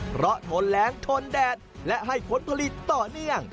เพราะทนแรงทนแดดและให้ผลผลิตต่อเนื่อง